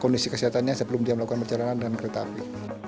kondisi kesehatannya sebelum dia melakukan perjalanan dalam negeri